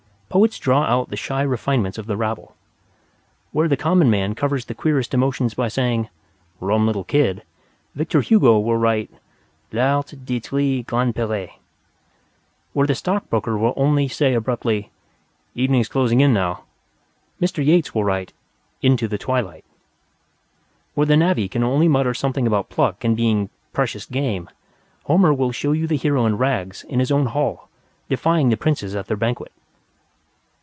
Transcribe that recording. Poets draw out the shy refinement of the rabble. Where the common man covers the queerest emotions by saying, "Rum little kid," Victor Hugo will write "L'art d'etre grand pere"; where the stockbroker will only say abruptly, "Evenings closing in now," Mr. Yeats will write "Into the twilight"; where the navvy can only mutter something about pluck and being "precious game," Homer will show you the hero in rags in his own hall defying the princes at their banquet.